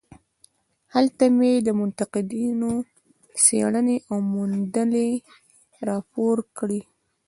هلته مې د منتقدینو څېړنې او موندنې راپور کړې.